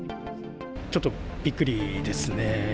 ちょっとびっくりですね。